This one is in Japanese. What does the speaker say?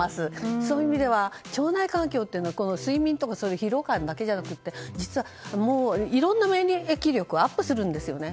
そういう意味では腸内環境っていうのは睡眠とか疲労感だけじゃなくて実はいろんな免疫力をアップするんですよね。